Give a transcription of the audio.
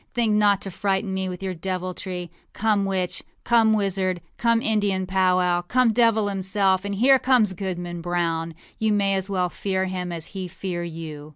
Think not to frighten me with your deviltry. Come witch, come wizard, come Indian powwow, come devil himself, and here comes Goodman Brown. You may as well fear him as he fear you.